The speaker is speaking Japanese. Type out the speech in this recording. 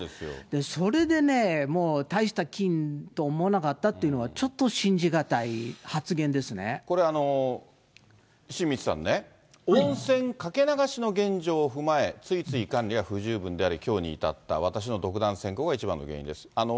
それでね、もう大した菌と思わなかったというのは、ちょっと信じ難い発言でこれ、新道さんね、温泉かけ流しの現状を踏まえ、ついつい管理が不十分であり、きょうに至った、私の独断専行が一番の原因ですと。